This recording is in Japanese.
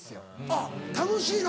あっ楽しいの？